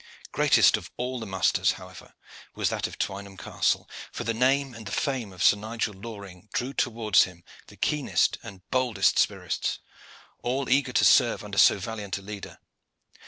Greatest of all the musters, however, was that of Twynham Castle, for the name and the fame of Sir Nigel Loring drew towards him the keenest and boldest spirits, all eager to serve under so valiant a leader.